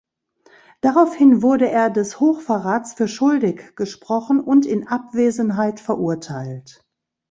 Daraufhin wurde er des Hochverrats für schuldig gesprochen und in Abwesenheit verurteilt.